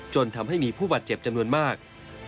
จนทำให้มีผู้บาดเจ็บจำนวนมาก